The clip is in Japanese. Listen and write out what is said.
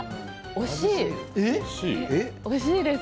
惜しいです。